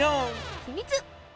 秘密。